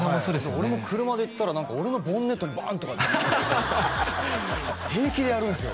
俺も車で行ったらなんか俺のボンネットにバーンとか平気でやるんですよ